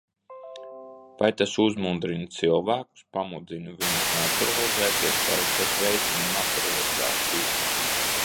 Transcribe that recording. Vai tas uzmundrina cilvēkus, pamudina viņus naturalizēties, vai tas veicina naturalizāciju?